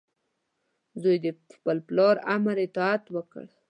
زوی د خپل پلار د امر اطاعت وکړ.